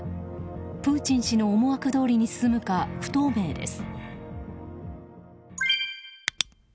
プーチン氏の思惑どおりに進むか不透明です。